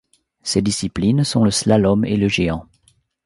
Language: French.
Ses disciplines sont le slalom et le géant.